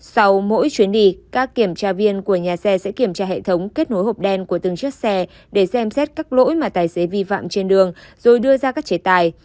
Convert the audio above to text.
sau mỗi chuyến đi các kiểm tra viên của nhà xe sẽ kiểm tra hệ thống kết nối hộp đen của từng chiếc xe để xem xét các lỗi mà tài xế vi phạm trên đường rồi đưa ra các chế tài